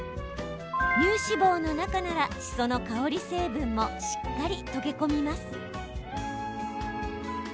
乳脂肪の中ならしその香り成分もしっかり溶け込みます。